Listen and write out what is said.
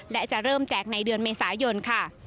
และจะเริ่มแจกในเดือนเมษายนค่ะ